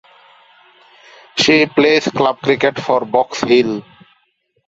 She plays club cricket for Box Hill.